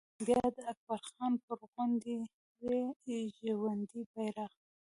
بیا د اکبر خان پر غونډۍ رپي د ژوندون بيرغ